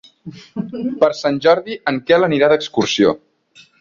Per Sant Jordi en Quel anirà d'excursió.